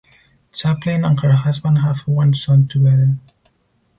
Chaplin and her husband have one son together.